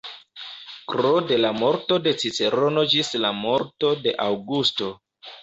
Kr., de la morto de Cicerono ĝis la morto de Aŭgusto.